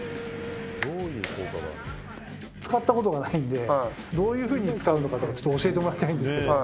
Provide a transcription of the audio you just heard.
使ったことがないんで、どういうふうに使うのか、ちょっと教えてもらいたいんですけど。